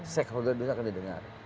seksologi indonesia akan didengar